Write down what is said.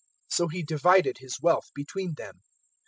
"So he divided his wealth between them.